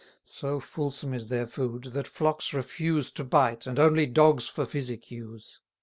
220 So fulsome is their food, that flocks refuse To bite, and only dogs for physic use.